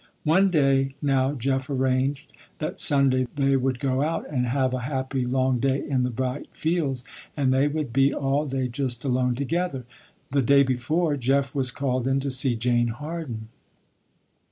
One day, now Jeff arranged, that Sunday they would go out and have a happy, long day in the bright fields, and they would be all day just alone together. The day before, Jeff was called in to see Jane Harden.